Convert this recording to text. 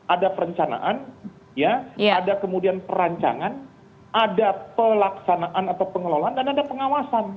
ada perencanaan ya ada kemudian perancangan ada pelaksanaan atau pengelolaan dan ada pengawasan